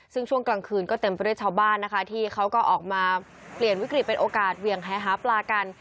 ซึ่งช่วงกลางคืนก็เต็มไปด้วยชาวบ้านนะคะที่เขาก็ออกมาเปลี่ยนวิกฤตเป็นโอกาสเหวี่ยงแหหาปลากัน